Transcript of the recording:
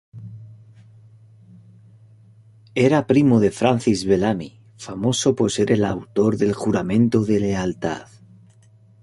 Era primo de Francis Bellamy, famoso por ser el autor del Juramento de Lealtad.